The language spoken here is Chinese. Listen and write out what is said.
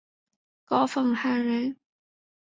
高凤翰人。